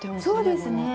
そうですね。